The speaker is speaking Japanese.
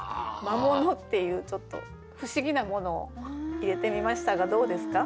「魔物」っていうちょっと不思議なものを入れてみましたがどうですか？